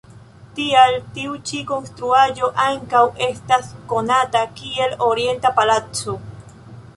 Tial, tiu ĉi konstruaĵo ankaŭ estas konata kiel Orienta Palaco.